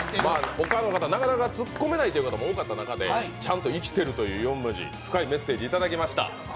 他の方、なかなか突っ込めないという方も多かった中でちゃんと「生きてる」という４文字深いメッセージをいただきました。